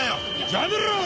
やめろよ！